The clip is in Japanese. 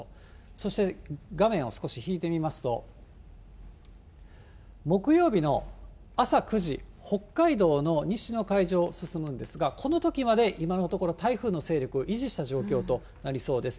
そして、画面を少しひいてみますと、木曜日の朝９時、北海道の西の海上を進むんですが、このときまで今のところ、台風の勢力を維持した状況となりそうです。